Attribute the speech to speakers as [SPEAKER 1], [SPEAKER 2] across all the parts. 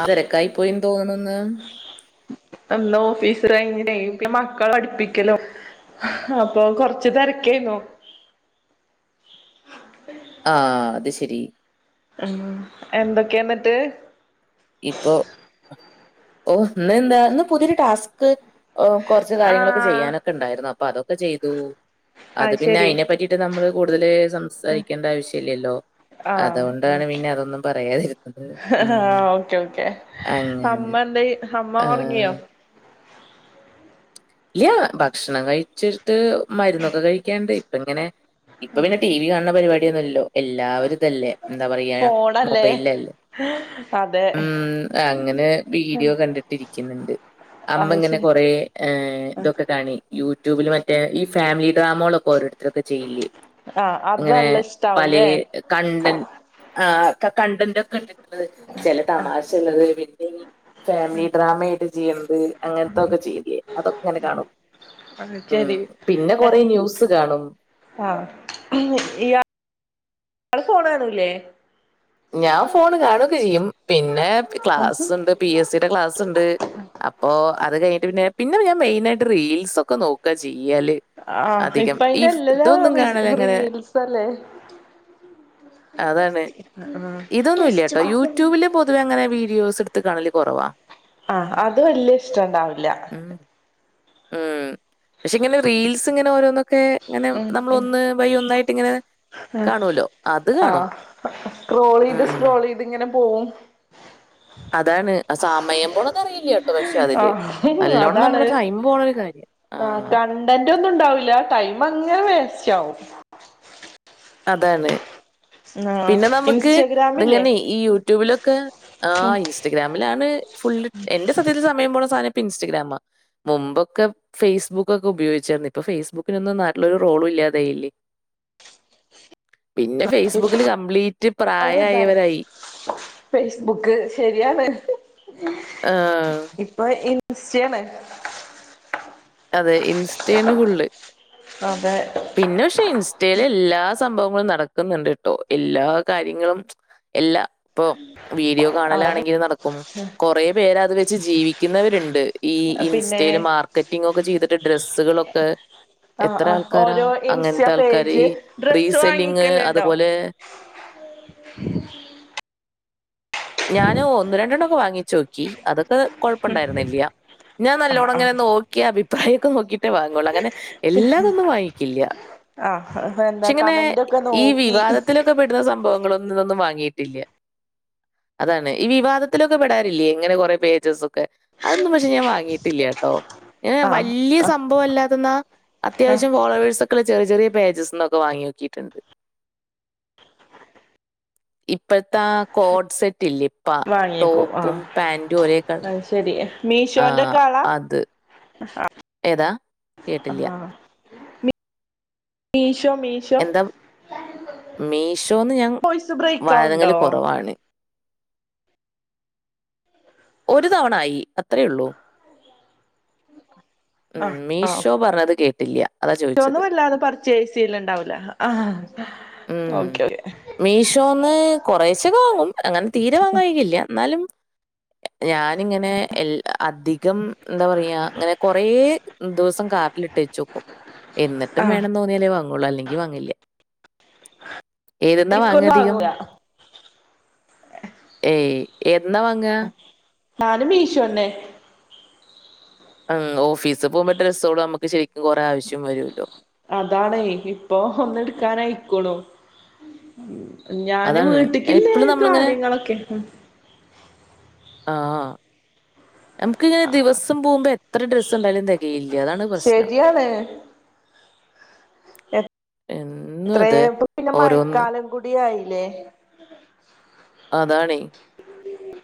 [SPEAKER 1] ആ തെരക്കായി പോയിന്ന് തോനിന്ന്
[SPEAKER 2] എന്ന് ഓഫീസ് റാങ്കിനേ പിന്നെ മക്കളെ പഠിപ്പിക്കലും അപ്പൊ കൊറച്ച് തെരക്കിന്നു അതെ
[SPEAKER 1] ആഹ് അത് ശരി
[SPEAKER 2] ഉം എന്തൊക്കെയാന്നിട്ട്
[SPEAKER 1] ഇപ്പൊ ഓ ഇന്ന് എന്താ ഇന്ന് പുതിയൊരു ടാസ്ക് ഓ കൊറച്ച് കാര്യങ്ങളൊക്കെ
[SPEAKER 2] ആഹ്
[SPEAKER 1] ചെയ്യാനൊക്കെ ഇണ്ടായിരുന്നു അപ്പം അതൊക്കെ ചെയ്തു അത് പിന്നെ അയിനെ പറ്റി നമ്മള് കൂടുതല് സം സാരിക്കേണ്ട ആവശ്യ ഇല്ലല്ലോ
[SPEAKER 2] ആഹ്
[SPEAKER 1] അതുകൊണ്ടാണ്
[SPEAKER 2] ഓക്കെ
[SPEAKER 1] പിന്നെ അതൊന്നും പറയാതിരുന്നത് ഉം
[SPEAKER 2] ഓക്കേ ഓക്കേ
[SPEAKER 1] അങ്ങനെ
[SPEAKER 2] അമ്മ എന്തേയ് അമ്മ
[SPEAKER 1] ആ,
[SPEAKER 2] ഉറങ്ങിയോ
[SPEAKER 1] ഇല്ല ഭക്ഷണം കഴിച്ചിട്ട് മരുന്നൊക്കെ കഴിക്കാണ്ട് ഇപ്പം ഇങ്ങനെ ഇപ്പം പിന്നെ ടി വി കാണണ പരിപാടിയൊന്നും ഇല്ലോ എല്ലാവരും ഇതല്ലേ എന്താ പറയാ
[SPEAKER 2] ഫോണല്ലേ
[SPEAKER 1] മൊബൈലല്ലേ
[SPEAKER 2] അതെ
[SPEAKER 1] ഉം അങ്ങനെ വീഡിയോ കണ്ടിട്ട് ഇരിക്കണണ്ട് അമ്മ
[SPEAKER 2] അത്
[SPEAKER 1] ഇങ്ങനെ
[SPEAKER 2] ശരി
[SPEAKER 1] കൊറെ ഏഹ് ഇതൊക്കെ കാണ് യൂട്യൂബില് മറ്റേ ഈ ഫാമിലി ഡ്രാമോളൊക്കെ ഓരോരുത്തരൊക്കെ ചെയ്യില്ലേ
[SPEAKER 2] ആഹ് അത്
[SPEAKER 1] ഇങ്ങനെ
[SPEAKER 2] നല്ല
[SPEAKER 1] പലേ
[SPEAKER 2] ഇഷ്ടാവൂല്ലേ
[SPEAKER 1] കണ്ടൻ ആഹ് ക കണ്ടൻന്റോക്കെ ഇട്ടിട്ടത് ചെല തമാശ ഉള്ളത് പിന്നെ ഇ ഫാമിലി ഡ്രാമ ആയിട്ട് ചെയ്യണത് അങ്ങനത്തൊക്കെ ചെയ്തിയേ അതൊക്കെ ഇങ്ങനെ കാണും
[SPEAKER 2] അത്
[SPEAKER 1] ഉം
[SPEAKER 2] ശരി
[SPEAKER 1] പിന്നെ കൊറെ ന്യൂസ് കാണും
[SPEAKER 2] ആഹ് ഇയ്യ് ഇയാ ഫോണാണുല്ലേ
[SPEAKER 1] ഞാൻ ഫോൺ കാണോക്കെ ചെയ്യും പിന്നെ ക്ലാസ്സുണ്ട് പി. എസ്. സിടെ ക്ലാസ്സുണ്ട് അപ്പൊ അത് കഴിഞ്ഞിട്ട് പിന്നെ പിന്നെ ഞാൻ മെയിൻ ആയിട്ട് റീൽസ് ഒക്കെ നോക്കാ ചെയ്യാല്
[SPEAKER 2] ആഹ് ഇപ്പ അയിനെല്ല്ലാ റിസ്
[SPEAKER 1] കാണലങ്ങനെ
[SPEAKER 2] റീൽസാല്ലേ
[SPEAKER 1] അതാണ്.
[SPEAKER 2] ആഹ്
[SPEAKER 1] ഇതിൽ ആങ്ങനെ വീഡിയോസ് എടുത്ത് കാണാല് കുറവാ
[SPEAKER 2] ആഹ് അത് വല്യ ഇഷ്ട ഒണ്ടാവില്ല
[SPEAKER 1] ഉം. ഉം പക്ഷെ ഇങ്ങനെ റീൽസ് ഇങ്ങനെ ഓരോന്നൊക്കെ ഇങ്ങനെ
[SPEAKER 2] ഉം
[SPEAKER 1] നമ്മൾ ഒന്ന് ബൈ ഒന്നായിട്ട് ഇങ്ങനെ
[SPEAKER 2] ഉം
[SPEAKER 1] കാണുവല്ലോ. അത് കാണും.
[SPEAKER 2] ആഹ് സ്ക്രോൾ ചെയ്ത്
[SPEAKER 1] ഉം.
[SPEAKER 2] സ്ക്രോൾ ചെയ്ത് ഇങ്ങനെ പോവും
[SPEAKER 1] അതാണ് സമയം പോണത് അറില്ലട്ടോ പക്ഷെ അതില്
[SPEAKER 2] ആഹ്
[SPEAKER 1] നല്ലോണം
[SPEAKER 2] അതാണ്
[SPEAKER 1] നമ്മുടെ ടൈം പോണ ഒരു കാര്യം ആ.
[SPEAKER 2] ആഹ് കണ്ടന്റ് ഒന്നും ഉണ്ടാവില്ല ടൈം അങ്ങനെ വേസ്റ്റ ആവും
[SPEAKER 1] അതാണ്
[SPEAKER 2] ആഹ്
[SPEAKER 1] പിന്നെ നമുക്ക്
[SPEAKER 2] ഇൻസ്റ്റഗ്രാമില്ലേ
[SPEAKER 1] ഇതിങ്ങനെ ഈ യൂട്യൂബിലൊക്കെ ആഹ് ഇൻസ്റ്റഗ്രാമിലാണ് ഫുൾ എന്റെ സത്യത്തില് സമയം പോണ സാനം ഇപ്പ ഇൻസ്റ്റഗ്രാമ മുമ്പൊക്കെ ഫേസ്ബുക്ക്‌ ഒക്കെ ഉപയോഗിച്ചിരുന്നെ ഇപ്പൊ ഫേസ്ബുക്കിനൊന്നും നാട്ടിലൊരു റോളു ഇല്ലാതായില്ലേ പിന്നെ ഫേസ്ബുക്കില് കംപ്ലീറ്റ്
[SPEAKER 2] ഇതാണ്
[SPEAKER 1] പ്രായആയാവാരായി
[SPEAKER 2] ഫേസ്ബുക്ക് ശരിയാണ്
[SPEAKER 1] ആഹ്
[SPEAKER 2] ഇപ്പൊ ഇൻസ്റ്റാആണ്
[SPEAKER 1] അതെ ഇൻസ്റ്റായാണ് ഫുള്ള്
[SPEAKER 2] അതെ
[SPEAKER 1] പിന്നെ പക്ഷെ ഇൻസ്റ്റല് എല്ലാ സംഭവങ്ങളും നടക്കുന്നുണ്ട് ട്ടോ എല്ലാ കാര്യങ്ങളും എല്ല ഇപ്പോ വീഡിയോ
[SPEAKER 2] അത്
[SPEAKER 1] കാണലാണെങ്കി നടക്കും കൊറെ പേര് അത് വെച്ച് ജീവിക്കുന്നവരുണ്ട് ഈ
[SPEAKER 2] പിന്നെ
[SPEAKER 1] ഇൻസ്റ്റായിൽ മാർക്കറ്റിങ് ഒക്കെ ചെയ്തിട്ട് ഡ്രസ്സുകളൊക്കെ
[SPEAKER 2] ആഹ് ആഹ് ഓരോ ഇൻസ്റ്റ
[SPEAKER 1] ആൾക്കാര്
[SPEAKER 2] പേജ് ഡ്രസ്സ് വാങ്ങിക്കലുണ്ടോ
[SPEAKER 1] ഏഹ് ഞാന് ഒന്ന് രണ്ടെണ്ണം ഒക്കെ വാങ്ങിചൊക്കി അതൊക്കെ കൊഴപ്പുണ്ടായിരുന്നില്ല ഞാൻ
[SPEAKER 2] ആഹ്
[SPEAKER 1] നല്ലോണം
[SPEAKER 2] ആഹ്
[SPEAKER 1] ഇങ്ങനെ നോക്കി അഭിപ്രായൊക്കെ നോക്കിട്ടേ വാങ്ങോള്ളൂ അങ്ങനെ എല്ലാതൊന്നും വാങ്ങിക്കില്ല
[SPEAKER 2] ആഹ് അത് എന്താ കമന്റോക്കെ നോക്കി
[SPEAKER 1] മെക്ക്പ്പിടുന്ന സംഭവങ്ങളൊന്നു ഇതൊന്നും വാങ്ങിട്ടില്ല അതാണ് ഈ വിവാദത്തിലൊക്കെ പെടറില്ലേ ഇങ്ങനെ കൊറെ പേജസ് ഒക്കെ അതൊന്നും പക്ഷെ ഞാൻ വാങ്ങിട്ടില്ലട്ടോ ഇങ്ങനെ
[SPEAKER 2] ആഹ്
[SPEAKER 1] വല്യ
[SPEAKER 2] ആഹ്
[SPEAKER 1] സംഭആല്ലാതന്ന
[SPEAKER 2] ആഹ്
[SPEAKER 1] അത്യാവശ്യം ഫോളോവേഴ്സ് മക്കള് ചെറിയ ചറിയ പേജസ്സീന്നൊക്കെ വാങ്ങി നോക്കിട്ടുണ്ട് ഇപ്പയ്ത്താ കോഡ് സെറ്റില്ലേ ഇപ്പ ടോപ്പും പാന്റും ഒരേ കള
[SPEAKER 2] അത് ശരിയെ മീഷോന്റൊക്കാളാ ആഹ്
[SPEAKER 1] ഏതാ? കേട്ടില്ല.
[SPEAKER 2] ആഹ് മി മീഷോ മി
[SPEAKER 1] എന്താ മീഷോന്ന് ഞാൻ
[SPEAKER 2] വോയിസ് ബ്രേക്ക്
[SPEAKER 1] വാതങ്ങല്
[SPEAKER 2] ആവുണ്ടോ
[SPEAKER 1] കൊറവാണ് ഒരു തവണായി അത്രേ ഉള്ളൂ ഉം മീഷോ പറഞ്ഞത് കേട്ടില്യ
[SPEAKER 2] മിഷോന്ന് വാല്ലാതെ പർച്ചെസ് ചെയ്യലുണ്ടാവില്ല ആഹഹാ
[SPEAKER 1] ഉം മീഷോന്നേ കൊറേശ്ശെക്ക് വാങ്ങും അങ്ങനെ തീരെ വാങ്ങായിക ഇല്ല എന്നാലും ഞാനിങ്ങനെ എൽ അധികം എന്താ പറയാ അങ്ങനെ കൊറേ ദിവസം കാർട്ടിലിറ്റെച്ചുക്കും എന്നിട്ടും
[SPEAKER 2] ആഹ്
[SPEAKER 1] വെണ്തൊ ന്നാലെവാങ്ങുള്ളൂ ആല്ലെങ്കി വാങ്ങില്ല ഏതിന്നാ വാങ്ങ
[SPEAKER 2] ശരിക്കൊന്നും
[SPEAKER 1] അധികം
[SPEAKER 2] വാങ്ങൂല
[SPEAKER 1] ഏയ് എന്നാ വാങ്ങ
[SPEAKER 2] ആഹ് നാനും മീഷോന്നെ
[SPEAKER 1] ആഹ് ഓഫീസിപോകുമ്പോ ഡ്രെ സോള നമുക്ക് ശരിക്കും കൊറെേ ആവശ്യം വരൂല്ലോ
[SPEAKER 2] അതാണേ ഇപ്പൊ ഒന്ന് എടുക്കാനായിക്കണു ഞാനും
[SPEAKER 1] അതാണ്.
[SPEAKER 2] വീട്ടിക്കില്ലേ കാര്യങ്ങളൊക്കെ
[SPEAKER 1] ആഹ് നമക്കിങ്ങനെ ദിവസം പോമ്പം എ എത്ര ഡ്രസ്സുണ്ടായാലും തെകയില്ല അതാണ് പ്രശ്നം
[SPEAKER 2] ശരിയാണ്
[SPEAKER 1] എന്നും
[SPEAKER 2] ഇത്ര
[SPEAKER 1] അതെ.
[SPEAKER 2] ആയപ്പോ പിന്നെ
[SPEAKER 1] ഓരോന്ന്.
[SPEAKER 2] മഴക്കാലം കൂടി ആയില്ലേ
[SPEAKER 1] അതാണെ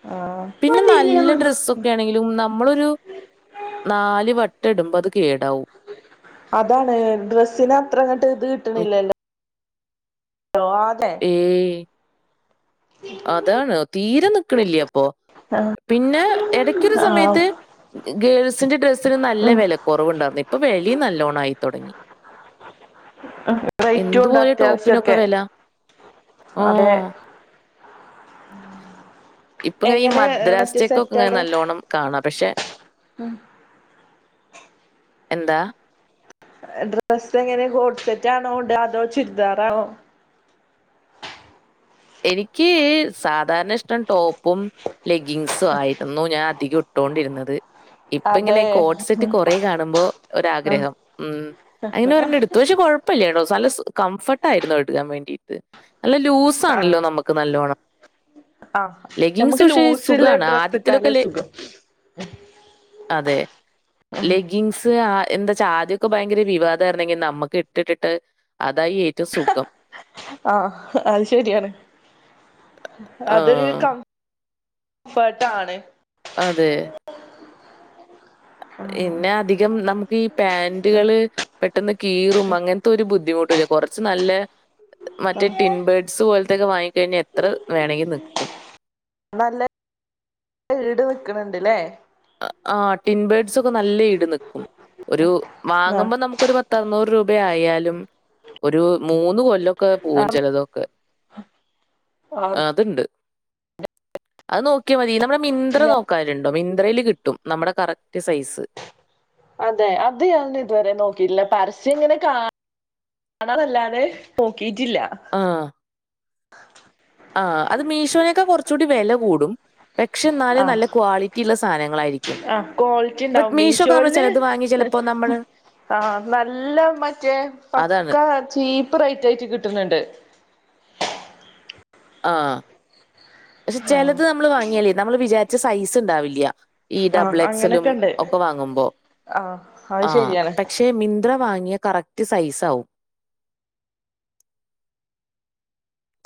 [SPEAKER 2] അ [inaudible]
[SPEAKER 1] പിന്നെ നല്ല ഡ്രസ്സൊക്കാണെങ്കിലും നമ്മളൊരു നാലു വാ ട്ടിടുമ്പോ അത് കേടാവും
[SPEAKER 2] അതാണ് ഡ്രസ്സിന് അത്രങ്ങട്ട് ഇത്
[SPEAKER 1] മി
[SPEAKER 2] കിട്ടണില്ലല്ലോ ട്ടോ ആട്ട്
[SPEAKER 1] ഏഹ്
[SPEAKER 2] ഉ [unintelligible]
[SPEAKER 1] അതാണ് തീരെ നിക്കണില്ലിയ പോ
[SPEAKER 2] ആഹ്
[SPEAKER 1] പിന്നെ എടയ്ക്കൊരു
[SPEAKER 2] ആഹ്
[SPEAKER 1] സമയത്തെ ഉം ഗേൾസിനെ ഡ്രെസ്സിന് നല്ല
[SPEAKER 2] ഉം
[SPEAKER 1] വെല കൊറവുണ്ടാരുന്നു ഇപ്പം വെളിയി ന ല്ലോണായി തൊടങ്ങി
[SPEAKER 2] ഉം റേറ്റും ഉണ്ട്
[SPEAKER 1] എന്തുപോലെ ടോപ്പിനൊക്കെ
[SPEAKER 2] അത്യാവശ്യൊക്കെ
[SPEAKER 1] വെല
[SPEAKER 2] അതെ
[SPEAKER 1] ഒഹ് [inaudible] ഇപ്പിങ്ങനെ ഈ
[SPEAKER 2] എങ്ങനെ
[SPEAKER 1] മദ്രാസ്
[SPEAKER 2] മറ്റേ
[SPEAKER 1] ചെക്കൊക്കെ ഇങ്ങനെ
[SPEAKER 2] സെറ്റാടെ
[SPEAKER 1] നല്ലോണ്ണം കാണാ പക്ഷെ എന്താ
[SPEAKER 2] ഡ്രസ്സെങ്ങനെ ഹോഡ്സെറ്റാണോ ടാ അതോ ചുരിദാറാണോ
[SPEAKER 1] എനിയ്‌ക്കേ സാധാരണ ഇഷ്ടം ടോപ്പും ലെഗിങ്സും ആയിരുന്നു ഞാൻ അധികം ഇട് ഇട്ടോണ്ടിരുന്നത് ഇപ്പ ഇങ്ങനെ
[SPEAKER 2] അതെ
[SPEAKER 1] കോഡ്സെറ്റ് കൊറേ കാണുമ്പോ
[SPEAKER 2] ആഹ്
[SPEAKER 1] ഒരാഗ്രഹം ഉം അയിനൊരെണ്ണം എടുത്തു പക്ഷേ കൊഴപ്പ പ്പില്ലേണോ നല്ല കംഫേർട്ടായിരുന്നു എടുക്കാൻ വേണ്ടീട്ട് നല്ല ലൂസ് സ്സാണല്ലോ
[SPEAKER 2] ആഹ്
[SPEAKER 1] നമുക്ക് നല്ലോണം
[SPEAKER 2] ആഹ്
[SPEAKER 1] ലെഗിങ്സ്
[SPEAKER 2] നമുക്ക്
[SPEAKER 1] പക്ഷേ
[SPEAKER 2] ലൂസില്ല
[SPEAKER 1] സുഖാണ്
[SPEAKER 2] ഡ്രസ്സ്
[SPEAKER 1] ആദ്യത്തിലൊക്കെ
[SPEAKER 2] ഇട്ടാലേ
[SPEAKER 1] ലേ
[SPEAKER 2] സുഖം
[SPEAKER 1] അതെ ലെഗിങ്സ് ഇതെ എന്താച്ചാ ആദ്യമൊക്കെ ഭയങ്കര വിവാദയിരുന്നെങ്കി നമ്മക്ക് ഇട്ടിട്ടിട്ട് അതായി ഏറ്റവും സുഖം
[SPEAKER 2] ആഹ് അത് ശരിയാണ് അതൊരു
[SPEAKER 1] ആഹ്.
[SPEAKER 2] കം ഫേർട്ടാണ്
[SPEAKER 1] അതെ ഇന്നധികം നമുക്കീ പാന്റുകളെ പെട്ടെന്ന് കീറും അങ്ങനത്തെ ഒരു ബുദ്ധിമുട്ടുല്ല കുറച്ച് നല്ലേ മറ്റേ ടിൻബേർഡ്സ് പോലത്തെ വാങ്ങിക്കഴിഞ്ഞാൽ എത്ര വേണങ്കി നിക്കും
[SPEAKER 2] നല്ല ഈടു നിക്കണണ്ടല്ലേ
[SPEAKER 1] ആ ടിൻബൽഡ്സ് ഒക്കെ നല്ല ഈട് നൽക്കും ഒരു
[SPEAKER 2] ആഹ്
[SPEAKER 1] വാങ്ങുമ്പോ നമുക്ക് ഒരു പത്ത് അറുന്നൂറ് രൂപ ആയാലും ഒരു മൂന്ന് കൊല് ലൊക്കെ പൂവ്
[SPEAKER 2] ആഹ്
[SPEAKER 1] ചിലതൊക്കെ ആഹ് അത്ണ്ട് അത് നോക്കിയാൽ മതി നമ്മുടെ മിന്ത്ര
[SPEAKER 2] ഞാ
[SPEAKER 1] നോക്കാണ്ടോ മിന്ത്രയില് കിട്ടും നമ്മുടെ കറക്റ്റ് സൈസ്
[SPEAKER 2] അതെ അത് ഞാൻ ഇതുവരെ നോക്കിയില്ല പരസ്യം എങ്ങനെ കാ കാണല്ലാതെ നോക്കീട്ടില്ല
[SPEAKER 1] ആ ആഹ് അത് മീഷോനൊക്കെ കുറച്ചുകൂടി വില കൂടും പക്ഷേ എന്നാലും നല്ല ക്വാളിറ്റി ള്ള സാനങ്ങളായിരിക്കും
[SPEAKER 2] ആഹ് കോളിറ്റിണ്ടാവും മീഷോല്
[SPEAKER 1] ചിലത് വാങ്ങി ചിലപ്പോ നമ്മൾ
[SPEAKER 2] ആഹ് നല്ല മറ്റേ
[SPEAKER 1] അതാണ്.
[SPEAKER 2] പക്കാ ചീപ്പ് റേറ്റ് ആയിട്ട് കിട്ടുന്നുണ്ട്
[SPEAKER 1] ആഹ് പക്ഷേ
[SPEAKER 2] ആഹ്
[SPEAKER 1] ചിലത് നമ്മള് വാങ്ങിയാലേ നമ്മൾ വിചാരിച്ച സൈസ് ഉണ്ടാവില്ല ഈ
[SPEAKER 2] ആഹ്
[SPEAKER 1] ഡബിൾ എക്സലും
[SPEAKER 2] അങ്ങനൊക്കെ ഉണ്ട്
[SPEAKER 1] ഒക്കെ വാങ്ങുമ്പോ
[SPEAKER 2] ആഹ് അത്
[SPEAKER 1] ആഹ്
[SPEAKER 2] ശരിയാണ്
[SPEAKER 1] പക്ഷേ വാങ്ങിയ കറക്റ്റ് സൈസ് ആവും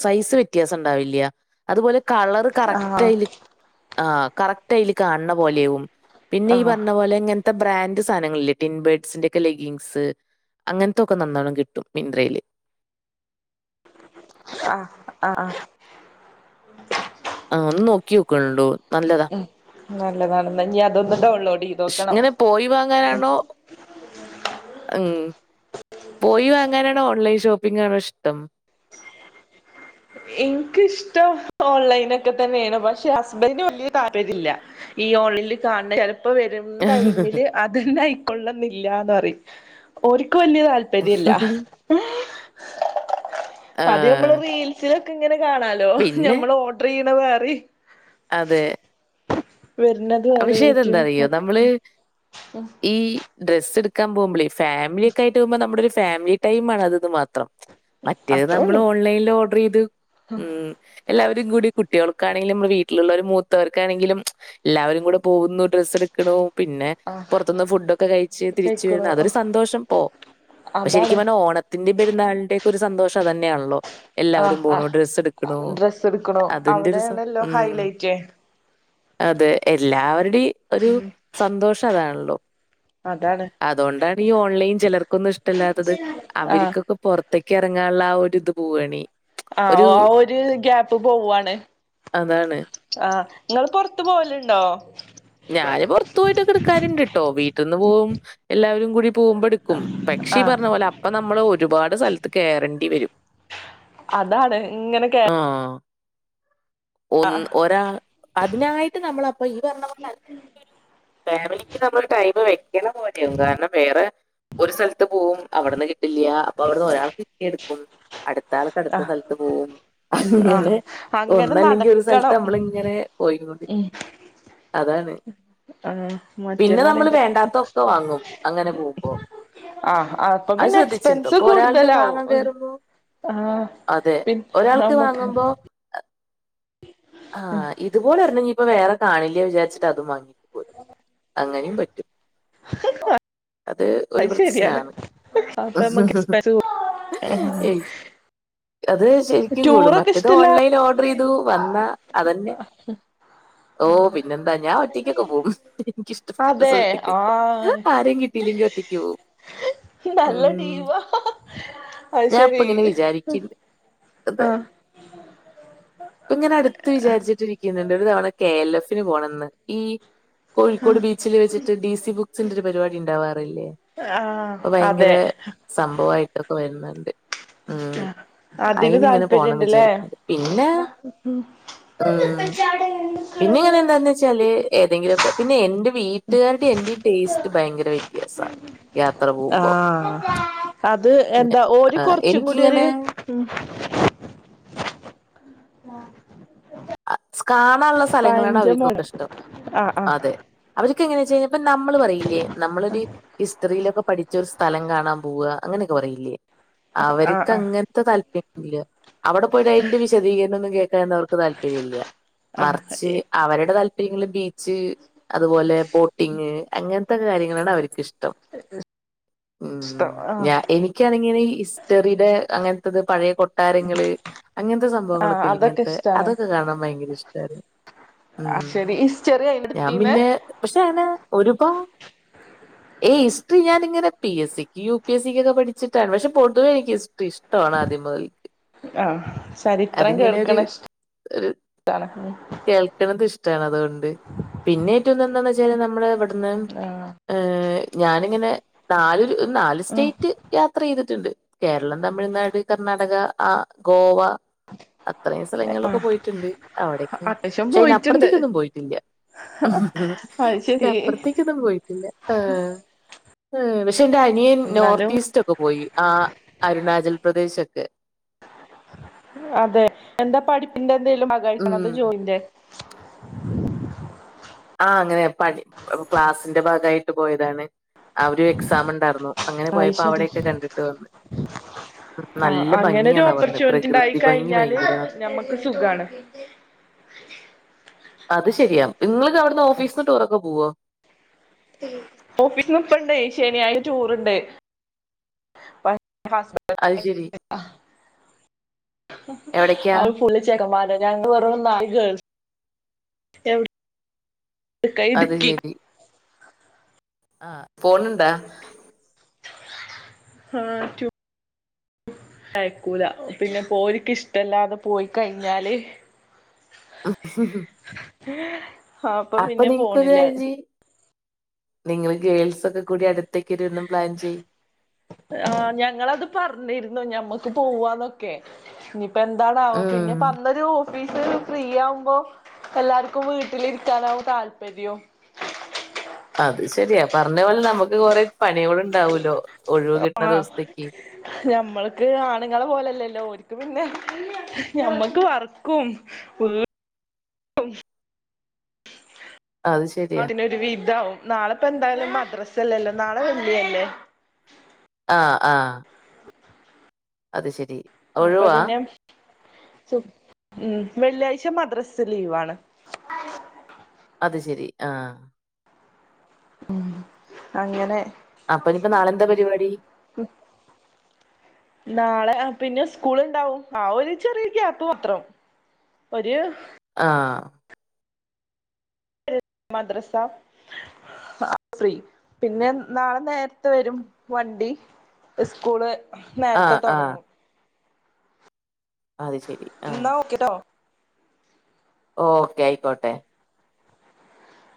[SPEAKER 1] സൈസ് വ്യത്യാസം ണ്ടാവില്ല അതുപോലെ കളറ്
[SPEAKER 2] ആഹ്
[SPEAKER 1] കറക്റ്റ് ആയില് ആഹ് കറക്റ്റ് അതിൽ കാണ്‌ണ പോലെവും പിന്നെ ഈ
[SPEAKER 2] ആഹ്
[SPEAKER 1] പറഞ്ഞ പോലെ എങ്ങനെ ഇതാ ബ്രാഡ് സാധനങ്ങളില്ലേ ടിൻബേഡ്സിന്റെയൊക്കെ ലെഗീങ്സ് അങ്ങനത്തൊക്കെ നന്നോണം കിട്ടും മിന്ത്രയില്
[SPEAKER 2] ആഹ് ആഹ് ആഹ്
[SPEAKER 1] ആഹ് ഒന്ന് നോക്കി നോക്കിക്കൊണ്ടു നല്ലതാ
[SPEAKER 2] നല്ലതാണ് ന്നാ ഇനി അതൊന്ന് ഡൗൺലോഡ് ചെയ്തോക്കണം
[SPEAKER 1] ഇങ്ങനെ പോയി വാങ്ങാനാണോ ങ്ങും പോയി വാങ്ങാനാണോ ഓൺലൈൻ ഷോപ്പിങ്ങാണോ ഇഷ്ടം
[SPEAKER 2] ഇൻക്ക് ഇഷ്ടം ഓൺലൈനൊക്കെതന്നെണ് പക്ഷെ ഹസ്ബന്ഡന് വലിയ താല്പര്യ ഇല്ല ഈ ഓണിൽ കാൺണ ചിലപ്പോ വരും ടൈമില് അതന്നെ ആയിക്കൊള്ളുന്നില്ലാന്ന് പറയും ഓല്ക്ക് വലിയ താല്പര്യ താല്പര്യല്ല അത് നമ്മള്
[SPEAKER 1] ആഹ്
[SPEAKER 2] റീൽസിലൊക്കെ ഇങ്ങനെ കാണാം ഹലോ
[SPEAKER 1] പിന്നെ
[SPEAKER 2] ഞമ്മൾ ഓർഡർ ചെയ്യണ വെറിം
[SPEAKER 1] അതെ
[SPEAKER 2] വരുന്നത്
[SPEAKER 1] പക്ഷെ
[SPEAKER 2] വേറായിറ്റു
[SPEAKER 1] ഇതെന്താറിയോ
[SPEAKER 2] ഉം
[SPEAKER 1] നമ്മള്
[SPEAKER 2] ഉം
[SPEAKER 1] ഈ ഡ്രസ്സ് എടുക്കാൻ പോകുമ്പോളേ ഫാമിലിയൊക്കെ ആയിട്ട് പോകുമ്പോ നമ്മുടെ ഒരു ഫാമിലി ടൈം ആണന്നത് മാത്രം മറ്റേത്
[SPEAKER 2] അത്രേ
[SPEAKER 1] നമ്മള്
[SPEAKER 2] ഉള്ളു
[SPEAKER 1] ഓൺലൈനിൽ ഓർഡർ ചെയ്ത് ഉം എല്ലാവരും കൂടി കുട്ട്യോൾക്കാനെങ്കിലും വീട്ടിലുള്ളവർ മൂത്തവർക്കാണെങ്കിലും എല്ലാവരും കൂടെ പോകുന്നു ഡ്രസ്സ് എടുക്കണു പിന്നെ
[SPEAKER 2] ആ
[SPEAKER 1] പുറത്തുന്ന് ഫുഡൊക്കെ കഴിച്ച് തിരിച്ച് വരുന്ന്
[SPEAKER 2] കഴിക്കണു
[SPEAKER 1] അതൊരു സന്തോഷം പോ ഇപ്പൊ
[SPEAKER 2] അതാണ്
[SPEAKER 1] ശരിക്കും പറഞ്ഞ ഓണത്തിന്റെ പെരുന്നാളിന്റെ ഒക്കെ ഒരു സന്തോഷം അതന്നെയാണല്ലോ
[SPEAKER 2] ആ
[SPEAKER 1] എല്ലാവരും
[SPEAKER 2] ആ
[SPEAKER 1] പോണു ഡ്രെസ്സ് എടുക്കണു
[SPEAKER 2] ഡ്രസ്സ് എടുക്കണു
[SPEAKER 1] അതിന്റെ ഒരു സന്തോ
[SPEAKER 2] അവിടെയാണല്ലോ
[SPEAKER 1] ഉം
[SPEAKER 2] ഹൈലൈറ്റ്
[SPEAKER 1] അതെ എല്ലാവരുടെയും ഒരു സന്തോഷം അതാണല്ലോ
[SPEAKER 2] അതാണ്
[SPEAKER 1] അതുകൊണ്ടാണ് ഈ ഓൺലൈൻ ചിലർക്കൊന്നും ഇഷ്ടമല്ലാത്തത്
[SPEAKER 2] ആ
[SPEAKER 1] അവര്ക്കൊക്കെ പുറത്തേക്ക് ഇറങ്ങാനുള്ള ആഹ് ഒരിത് പോവണെ
[SPEAKER 2] ആഹ് ഓ ഒരു ഗ്യാപ്പ് പോവാണ്
[SPEAKER 1] അതാണ്.
[SPEAKER 2] ആഹ് നിങ്ങള് പുറത്തു പോവലുണ്ടോ
[SPEAKER 1] ഞാന് പുറത്ത് പോയിട്ടൊക്കെ എടുക്കലിണ്ട്ട്ടോ വീട്ടിൽന്ന് പോകും എല്ലാവരും കൂടി പോകുമ്പോ എടു ക്കും പക്ഷേ
[SPEAKER 2] ആഹ്
[SPEAKER 1] പറഞ്ഞ പോലെ അപ്പൊ നമ്മൾ ഒരുപാട് സ്ഥലത്ത് കേറണ്ടി വരും
[SPEAKER 2] അതാണ് ഇങ്ങനെ കേ
[SPEAKER 1] ആഹ് ഒന്ന് ഒരാൾ അതിനായിട്ട് നമ്മളപ്പം ഈ പറഞ്ഞ പോലെ അതിനൊരു ഫാമിലിക്ക് നമ്മള് ടൈം വെക്കണ പോലെയാവും കാരണം വേറെ ഒരു സ്ഥലത്ത് പോകവും അവിടെന്ന് കിട്ടില്ല അപ്പൊ അവിടുന്ന് ഒരാൾ കിട്ടിയെടുക്കും അടുത്ത ആൾ അടുത്ത
[SPEAKER 2] ആഹ്
[SPEAKER 1] സ്ഥലത്ത് പോവും
[SPEAKER 2] ആഹ്
[SPEAKER 1] ഇങ്ങനെ
[SPEAKER 2] അങ്ങനെ
[SPEAKER 1] ഒന്നല്ലെങ്കിൽ ഒരു സ്ഥലത്ത്
[SPEAKER 2] നടക്കണം
[SPEAKER 1] നമ്മള് ഇങ്ങനെ പോയികൊണ്ടിരിക്കും
[SPEAKER 2] ഉം
[SPEAKER 1] അതാണ്
[SPEAKER 2] ആഹ്
[SPEAKER 1] പിന്നെ
[SPEAKER 2] മറ്റേന്ന്
[SPEAKER 1] നമ്മള്
[SPEAKER 2] പറയുമ്പോ
[SPEAKER 1] വേണ്ടാത്ത ഒക്കെ വാങ്ങും അങ്ങനെ പോകുമ്പോ
[SPEAKER 2] ആഹ് അപ്പൊ
[SPEAKER 1] അത്
[SPEAKER 2] പിന്നെ
[SPEAKER 1] ശ്രദ്ധിച്ചിണ്ടോ
[SPEAKER 2] എക്സ്പെൻസ്
[SPEAKER 1] ഇപ്പൊ ഒരാളുടെ വാങ്ങാൻ
[SPEAKER 2] കൂടുതലാവും
[SPEAKER 1] കേറുമ്പോ
[SPEAKER 2] ആഹ്
[SPEAKER 1] അതെ
[SPEAKER 2] പിന്നെ
[SPEAKER 1] ഒരാൾക്ക്
[SPEAKER 2] നമ്മക്ക്
[SPEAKER 1] വാങ്ങുമ്പോ ആഹ് ഇതുപോലെ ഒരെണ്ണം ഇനിപ്പോ വേറെ കാണില്ലോ വിചാരിച്ചിട്ട് അതും വാങ്ങിട്ട് പോരും അങ്ങനെയും പറ്റും അത് ഒരു പ്രശ്നമാണ്
[SPEAKER 2] അപ്പൊ നമ്മക്ക് എക്സ്പെൻസ്
[SPEAKER 1] അത് ശരിക്കും കൂടും
[SPEAKER 2] ടൂറൊക്കെ
[SPEAKER 1] മറ്റേത്
[SPEAKER 2] ഇഷ്ടല്ല
[SPEAKER 1] ഓൺലൈനിൽ ഓർഡർ ചെയ്തു വന്നാ അതന്നെ ഓ പിന്നെന്താ ഞാൻ ഒറ്റയ്ക്കൊക്ക പോവും എനിക്കിഷ്ടപ്പെട്ട
[SPEAKER 2] അതെ
[SPEAKER 1] സ്ഥലത്തൊക്കെ
[SPEAKER 2] ആഹ്
[SPEAKER 1] ആര ഇല്ലെങ്കി ഒറ്റക്ക് പോകും
[SPEAKER 2] നല്ല
[SPEAKER 1] ഉം
[SPEAKER 2] ടീമാ അത് ശെരി
[SPEAKER 1] അതന്നെ ഇങ്ങനട്ത്ത് ത്ത് വിചാരിച്ചിട്ടിരിക്കുന്നുണ്ട് ഒരു തവണ കെ എൽ എഫിന് പോകണെന്ന് ഈ കോഴിക്കോട് ബീച്ചിൽ വെച്ചിട്ട് ഡി സി ബുക്സിന്റെ ഒരു പരിപാടി ഉണ്ടാവാറില്ലേ
[SPEAKER 2] ആഹ് അതെ
[SPEAKER 1] സംഭവ ആയിട്ടൊക്കെ വരുന്നുണ്ട് ഉം
[SPEAKER 2] അതിന്
[SPEAKER 1] അയിനിങ്ങനെ പോണം
[SPEAKER 2] താല്പര്യുണ്ടല്ലേ
[SPEAKER 1] വിചാരിക്കുന്നുണ്ട് പിന്നെ
[SPEAKER 2] ഇത് എന്താ ഇപ്പച്ചി അവിടെ നിക്കണത്
[SPEAKER 1] ചെലെ ഏതെങ്കിലൊക്കെ പിന്നെ എന്റെ വീട്ട വീട്ടുകാരുടെ എന്റെ ടേസ്റ്റ് ഭയങ്കര വ്യത്യാസ യാത്ര പോകുമ്പോ
[SPEAKER 2] ആഹ് അത്
[SPEAKER 1] പിന്നെ
[SPEAKER 2] എന്താ ഓര്
[SPEAKER 1] ആഹ്
[SPEAKER 2] കുറച്ചും കൂടി ഒരു
[SPEAKER 1] എനിക്കിങ്ങനെ
[SPEAKER 2] ഉ ആഹ
[SPEAKER 1] കാണാനുള്ള സ്ഥലങ്ങളാണ് അവർക്കൊക്കെ ഇഷ്ടം
[SPEAKER 2] ആഹ് ആഹ്
[SPEAKER 1] അതെ എങ്ങനെയെ ചെയപ്പ നമ്മള് പറയില്ലേ നമ്മളൊരു ഹിസ്റ്ററിയിലൊക്കെ പഠിച്ച ഒരു സ്ഥലം കാണാൻ പോവുക അങ്ങനെയൊക്കെ പറയില്ലേ
[SPEAKER 2] ആഹ് ആഹ്
[SPEAKER 1] അവർക്ക്ങ്ങനെ താല്പര്യഇല്ല അവിടെ പോയിട്ട് അതിന്റെ വിശദീകരണമൊന്നും കേൾഞാനൊന്നും അവർക്ക് താല്പര്യമില്ല
[SPEAKER 2] ആഹ്
[SPEAKER 1] മറിച്ച് അവരുടെ താല്പ ബീച്ച് അതുപോലെ ബോട്ടിങ് അങ്ങനത്തെ കാര്യങ്ങളാണ് അവർക്ക് ഇഷ്ടം ഉ
[SPEAKER 2] ഇഷ്ടം
[SPEAKER 1] ഞ
[SPEAKER 2] ആഹ്
[SPEAKER 1] എനിക്ക് ക്കണങ്കി ഈ ഹിസ്റ്ററിയുടെ അങ്ങനത്തത് പഴയ താരങ്ങള് അങ്ങനത്തെ
[SPEAKER 2] ആഹ്
[SPEAKER 1] സംഭവങ്ങളൊക്കെ ഇല്ലേ
[SPEAKER 2] അതൊക്കെ
[SPEAKER 1] ഇങ്ങനത്തെ
[SPEAKER 2] ഇഷ്ടാണ്
[SPEAKER 1] അതൊക്കെ കാണാൻ ഭയങ്കര ഇഷ്ടാണ് ഉ
[SPEAKER 2] ആഹ് ശരി ഹിസ്റ്ററി
[SPEAKER 1] ഞാൻ
[SPEAKER 2] അയിന്റെടുത്തീന്ന്
[SPEAKER 1] പിന്നെ പക്ഷെ അങ്ങനെ ഒരുപാ യ് ഹിസ്റ്ററി ഞാനങ്ങനെ പി എസ് സിക്ക് യു പി എസ് സിക്ക്ക്കെ പഠിച്ചിട്ട പക്ഷെ പൊതുവെ എനിക്ക് ഹിസ്റ്ററി ഇഷ്ട
[SPEAKER 2] ആഹ ചരിത്രം
[SPEAKER 1] അതിങ്ങനെ ഒരു
[SPEAKER 2] കേൾക്കണ ഇഷ്ട്ട
[SPEAKER 1] ഒരു കേൾക്കണത് ഇഷ്ടമാണ് അതുകൊണ്ട് പിന്നെ റ്റന്ന് എന്താന്ന് വെച്ചാല് നമ്മുടെ ഇവിടുന്ന്
[SPEAKER 2] ആഹ്
[SPEAKER 1] ഏ് ഞാനിങ്ങനെ നല് നാല്
[SPEAKER 2] ഉം
[SPEAKER 1] സ്റ്റേറ്റ് യാത്ര ചെയ്തിട്ടുണ്ട് കേരളം തമിഴ്നാട് കർണാടക ആ ഗോവ അത്രയും സ്ഥലങ്ങളിലൊക്കെ
[SPEAKER 2] ആഹ്
[SPEAKER 1] പോയിട്ടുണ്ട് അവിടക്കെ
[SPEAKER 2] അത്യാവശ്യം
[SPEAKER 1] പക്ഷെ അയിന്
[SPEAKER 2] പോയിട്ടുണ്ട്
[SPEAKER 1] അപ്പുറത്തേക്കൊന്നും പോയിട്ടില്ല ഉ
[SPEAKER 2] അത് ശരി
[SPEAKER 1] അപ്പറത്തി പക്ഷെ എ അനിയ
[SPEAKER 2] എന്നാലും
[SPEAKER 1] നോർത് ഈസ്റ്റും ഒക്കെ പോയി ആഹ് അരുണാചൽ പ്രദേശ് ഒക്കെ
[SPEAKER 2] അതെ എന്താ പഠിപ്പിന്റെ എന്തെലും ഭാഗയിട്ട്
[SPEAKER 1] ഉം
[SPEAKER 2] അത് ജോയിന്റെ
[SPEAKER 1] ആഹ അങ്ങനെ പഠി ക്ലാസിന്റെ ഭാഗായിട്ട് പോയതാണ് അ ഒരു എക്സാം ഉണ്ടായിരുന്നു അങ്ങനെ
[SPEAKER 2] അയ്
[SPEAKER 1] പോയപ്പോ
[SPEAKER 2] ശരി
[SPEAKER 1] അവിടെക്കെ കണ്ടിട്ട് വന്ന്
[SPEAKER 2] ആഹ്
[SPEAKER 1] നല്ല
[SPEAKER 2] അങ്ങനൊരു
[SPEAKER 1] ഭംഗിയന്ന പറഞ്ഞത്
[SPEAKER 2] ഓപ്പർച്യൂണിറ്റി ഉണ്ടായി
[SPEAKER 1] പ്രകൃതി ഭംഗി
[SPEAKER 2] കഴിഞ്ഞാല്
[SPEAKER 1] ഭയങ്കര
[SPEAKER 2] ഞമ്മക്ക് സുഖാണ്
[SPEAKER 1] അത് ശരിയാണ് നിങ്ങൾക്ക് അവിടന്ന് ഓഫീസിന്ന് ടൂറൊക്കെ പോവോ
[SPEAKER 2] ഓഫീസി ട്രിപ്പിണ്ട് ശനിയാഴ്ച ടൂറുണ്ട് ബ
[SPEAKER 1] അത് ശരി എവിടക്കാ
[SPEAKER 2] ആ ഫ [unintelligible] ചേമാല ഞങ്ങള് വറ നായികേൾ എ [unintelligible] കായി
[SPEAKER 1] അത്
[SPEAKER 2] ഇടുക്കി
[SPEAKER 1] ആഹ പോണുണ്ട
[SPEAKER 2] ആഹ ടു അയക്കൂല പിന്നെ പോര്ക്ക് ഇഷ്ടല്ലാതെ പോയി കഴിഞ്ഞാല്
[SPEAKER 1] ആഹ ഹ ഹ
[SPEAKER 2] [inaudible]
[SPEAKER 1] അപ്പ
[SPEAKER 2] പിന്നെ പോണില്ല
[SPEAKER 1] നിനക്കൊരുകാര്യം ചെയ് നിങ്ങള് ഗേൾസൊക്കെ കൂടി അടുത്തേക്കൊ ഒരു ന്ന് പ്ലാൻ ചെയ്യ്
[SPEAKER 2] ആഹ് ഞങ്ങളത് പറഞ്ഞിരുന്നു ഞമ്മക്ക് പോവാന്നൊ ക്കെ നിയിപ്പോന്താണവോ
[SPEAKER 1] ഉം
[SPEAKER 2] പിന്നെ പർഞ വിഷു ന് ഫ്രീ യാവുമ്പോ എല്ലാവർക്കും വീട്ടിലിരിക്കാനകും താല്പര്യോം
[SPEAKER 1] അത് ശരിയാ പറഞ്ഞ പോലെ ഞമക്ക് കൊറ പണികളുണ്ടാവൂലോ ഒഴിവ് കിട്ട്ണ
[SPEAKER 2] ആഹ്
[SPEAKER 1] ദിവസത്തേക്ക്
[SPEAKER 2] ഞമ്മൾക്ക് ആണുങ്ങളെ പോലെല്ലല്ലോ ഒര്ക്ക് പിന്നെ ഞമ്മക്ക് വർക്കും ഉമ്
[SPEAKER 1] അത് ശരിയാ
[SPEAKER 2] [unintelligible] ഒരു വിധമാവും നാളെപ്പോ ന്തായാലും മദ്രസ്സ ല്ലല്ലോ നാളെ വെള്ള്യല്ലേ
[SPEAKER 1] ആഹ് ആഹ് അത് ശരി
[SPEAKER 2] അപ്പ
[SPEAKER 1] ഒഴിവാ
[SPEAKER 2] പിന്നെ സു ഉം വെള്ളിയാഴ്ച മദ്രസ് ലീവാണ്.
[SPEAKER 1] അത് ശെരി ആഹ്
[SPEAKER 2] ഉം അങ്ങനെ
[SPEAKER 1] അപ്പഞ്പ്പൊ നാളെ ന്താ പരിവാടി?
[SPEAKER 2] [unintelligible] നാളെ പിന്നെ സ്കൂള്ണ്ടാവും ആ ഒര് ചെറിയ ഗ്യാപ്പ് മാത്രം. ഒര്
[SPEAKER 1] ആഹ്
[SPEAKER 2] മദ്രസ ആ ഫ്രീ പിന്നെ നാളെ നേര്ത്തെ വരും വണ്ടി സ്കൂള്
[SPEAKER 1] ആ
[SPEAKER 2] നേർത്തെ
[SPEAKER 1] ആ
[SPEAKER 2] തോടങ്ങും
[SPEAKER 1] അത് ശെരി ആഹ്.
[SPEAKER 2] ഒക്കെ ട്ടോ
[SPEAKER 1] ഓക്കെ ആയ്ക്കോട്ടെ